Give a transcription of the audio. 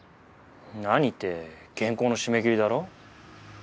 何って原稿の締め切りだろ？